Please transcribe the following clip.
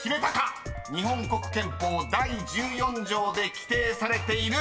［日本国憲法第１４条で規定されている］